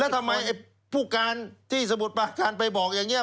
ทำไมผู้การที่สมุทรประการไปบอกอย่างนี้